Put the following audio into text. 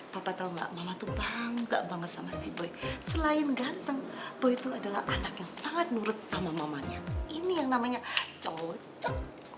papa tahu mbak mama tuh bangga banget sama si boy selain ganteng boy itu adalah anak yang sangat nurut sama mamanya ini yang namanya cocok